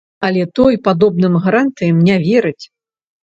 Але той падобным гарантыям не верыць.